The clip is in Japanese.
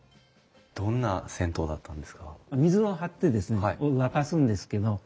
どんな銭湯だったんですか？